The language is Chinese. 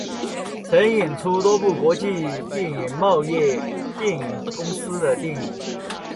曾演出多部国际电影懋业电影公司的电影。